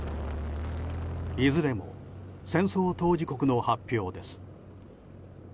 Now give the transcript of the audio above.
いずれも戦争当事国の発表です。